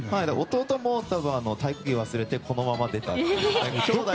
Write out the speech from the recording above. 弟も体操着を忘れてこのまま出たという。